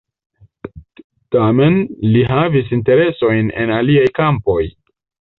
Tamen, li havis interesojn en aliaj kampoj.